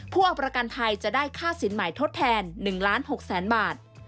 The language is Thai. ผู้เอาประกันภัยจะได้ค่าสินใหม่ทดแทน๑ล้าน๖แสนบาท